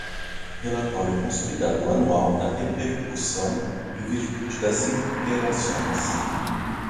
Relatório consolidado anual da repercussão em virtude das interações